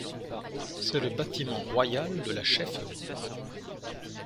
C'est le bâtiment royal de la chefferie.